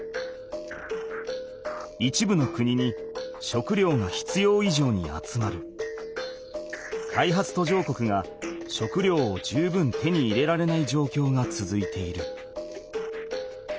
一部の国に食料が必要いじょうに集まり開発途上国が食料を十分手に入れられないじょうきょうがつづいている。